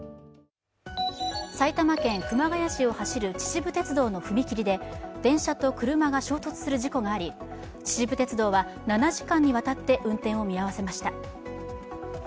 埼玉県熊谷市を走る秩父鉄道の踏切で電車と車が衝突する事故があり、秩父鉄道は７時間にわたって運転を見合わせました。